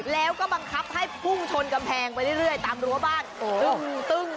แล้วก็บังคับให้พุ่งชนกำแพงไปเรื่อยตามรั้วบ้านตึ้ง